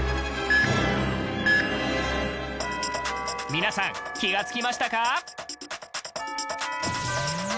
皆さん、気が付きましたか？